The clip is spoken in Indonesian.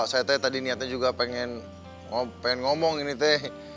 saya teh tadi niatnya juga pengen ngomong ini teh